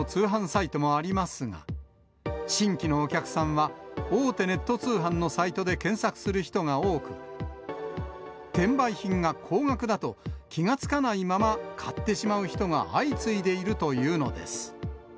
は、大手ネット通販のサイトで検索する人が多く、転売品が高額だと、気が付かないまま買ってしまう人が相次いでいるというのです。